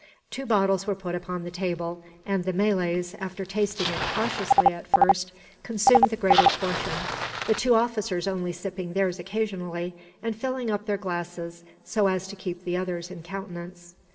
Two bottles were put upon the table; and the Malays, after tasting it cautiously at first, consumed the greater portion the two officers only sipping theirs occasionally, and filling up their glasses, so as to keep the others in countenance.